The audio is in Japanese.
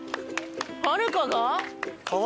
はるかが？